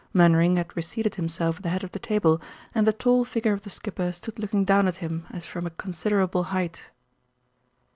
Mainwaring had reseated himself at the head of the table, and the tall figure of the skipper stood looking down at him as from a considerable height.